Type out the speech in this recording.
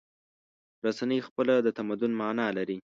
رسنۍ خپله د تمدن معنی لري.